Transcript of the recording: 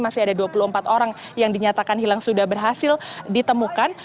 masih ada dua puluh empat orang yang dinyatakan hilang sudah berhasil ditemukan